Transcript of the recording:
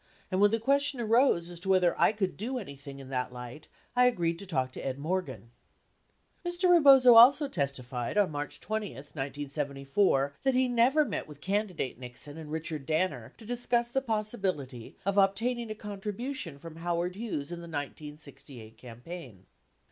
And when the question arose as to whether I could do any thing in that light, I agreed to talk to Ed Morgan." 4S Mr. Rebozo also testified on March 20, 1974, that he never met with candidate Nixon and Richard Danner to discuss the possibility of obtaining a contribution from Howard Hughes in the 1968 campaign.